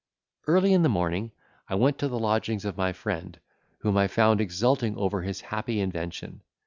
Early in the morning, I went to the lodgings of my friend, whom I found exulting over his happy invention!